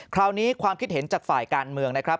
คราวนี้ความคิดเห็นจากฝ่ายการเมืองนะครับ